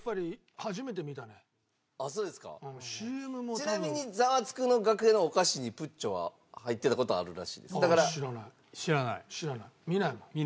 ちなみに『ザワつく！』の楽屋のお菓子にぷっちょは入ってた事はあるらしいです。